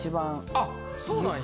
あっそうなんや？